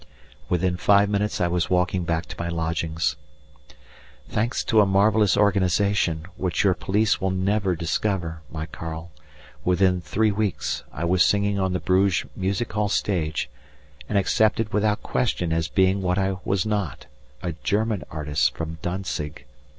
Within five minutes I was walking back to my lodgings. Thanks to a marvellous organization, which your police will never discover, my Karl, within three weeks I was singing on the Bruges music hall stage, and accepted without question as being what I was not, a German artist from Dantzig.